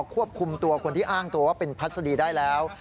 ควบคุมตัวคนที่อ้างตัวว่าเป็นพัศดีได้แล้ว